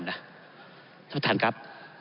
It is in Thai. ท่านประธานครับ